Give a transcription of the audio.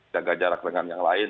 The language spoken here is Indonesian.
jaga jarak dengan yang lain